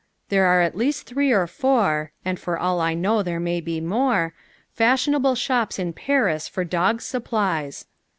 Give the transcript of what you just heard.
There are at least three or four and for all I know there may be more fashionable shops in Paris for dogs' supplies.